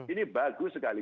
ini bagus sekali